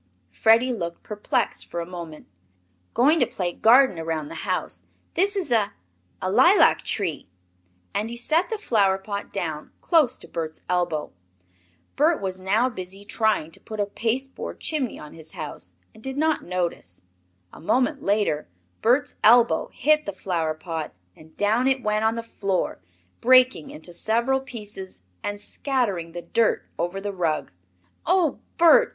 Freddie looked perplexed for a moment. "Going to play garden around the house. This is a a lilac tree!" And he set the flower pot down close to Bert's elbow. Bert was now busy trying to put a pasteboard chimney on his house, and did not notice. A moment later Bert's elbow hit the flower pot and down it went on the floor, breaking into several pieces and scattering the dirt over the rug. "Oh, Bert!